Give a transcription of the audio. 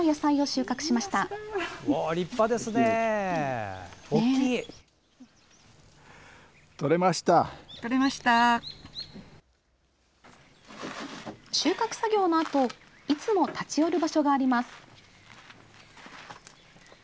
収穫作業のあといつも立ち寄る場所があります。